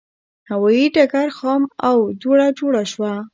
هوایي ډګر خام و او دوړه جوړه شوه.